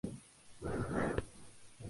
Crecieron distanciados y separados.